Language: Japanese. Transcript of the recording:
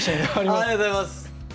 ありがとうございます。